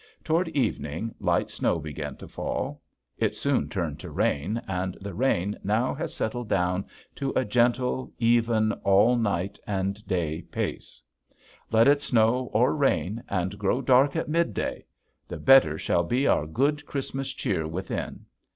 Toward evening light snow began to fall. It soon turned to rain and the rain now has settled down to a gentle, even, all night and day pace. Let it snow or rain and grow dark at midday! The better shall be our good Christmas cheer within.